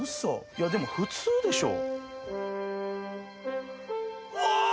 いやでも普通でしょ。